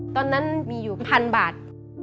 ตอนนั้นมีอยู่๑๐๐บาท